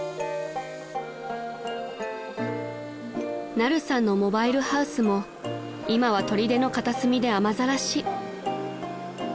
［ナルさんのモバイルハウスも今はとりでの片隅で雨ざらし］